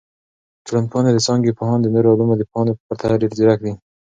ټولنپوهنه د څانګي پوهان د نورو علومو د پوهانو په پرتله ډیر ځیرک دي.